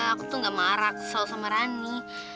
aku tuh gak marah kesal sama rani